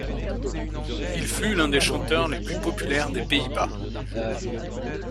Il fut l'un des chanteurs les plus populaires des Pays-Bas.